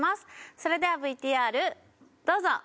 それではＶＴＲどうぞ！